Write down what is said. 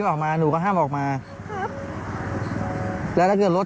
ผมไม่อยากให้แม่เจ็ด